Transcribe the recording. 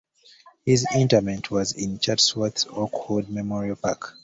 His interment was in Chatsworth's Oakwood Memorial Park.